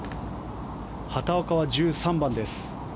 畑岡は１３番です。